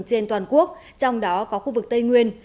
trên toàn quốc trong đó có khu vực tây nguyên